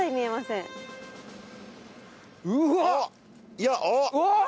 いやあっ！